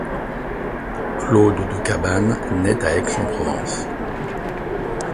Claude de Cabannes nait à Aix-en-Provence.